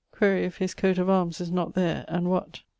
Quaere if his coat of arms is not there, and what?